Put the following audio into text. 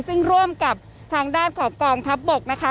ซึ่งร่วมกับทางด้านของกองทัพบกนะคะ